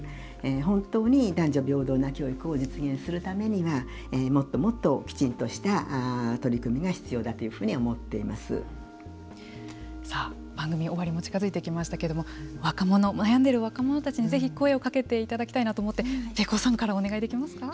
本当に男女平等な教育を実現するためにはもっともっときちんとした取り組みが必要ださあ、番組終わりも近づいてきましたけれども若者、悩んでいる若者たちにぜひ声をかけていただきたいなと思ってｐｅｃｏさんからお願いできますか。